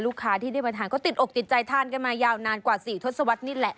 ที่ได้มาทานก็ติดอกติดใจทานกันมายาวนานกว่า๔ทศวรรษนี่แหละ